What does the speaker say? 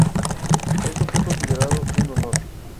Esto fue considerado un honor.